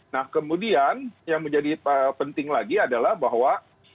nah kemudian yang menjadi penting lagi adalah bahwa